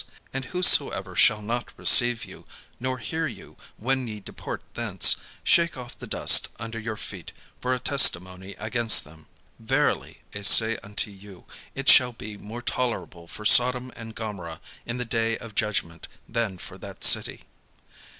And whosoever shall not receive you, nor hear you, when ye depart thence, shake off the dust under your feet for a testimony against them. Verily I say unto you, It shall be more tolerable for Sodom and Gomorrha in the day of judgment, than for that city."